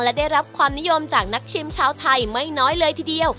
และได้รับความนิยมจากนักชิมชาวไทยไม่น้อยเลยทีเดียว